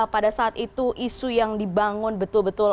pada saat itu isu yang dibangun betul betul